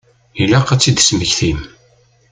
Ilaq ad tt-id-tesmektim.